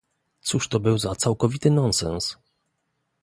Cóż to był za całkowity nonsens!